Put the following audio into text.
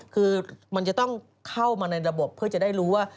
คือมันจะต้องเข้ามาในระบบเพื่อจะได้รู้ว่า